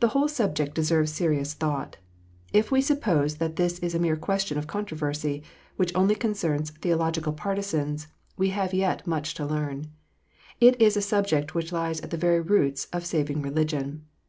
The whole subject deserves serious thought. If we suppose that this is a mere question of controversy, which only concerns theological partisans, we have yet much to learn. It is a subject which lies at the very roots of saving religion.